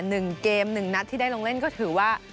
หนึ่งเกมหนึ่งนัดที่ได้ลงเล่นก็ถือว่า